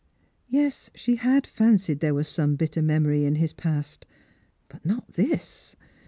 Yes, she had fancied there was some bitter memory in hia fast, but not this.